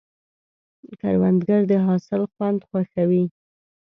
کروندګر د حاصل خوند خوښوي